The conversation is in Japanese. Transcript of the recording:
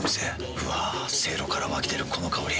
うわせいろから湧き出るこの香り。